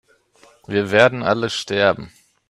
Wir werden alle sterben